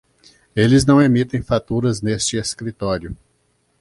Eles não emitem faturas neste escritório.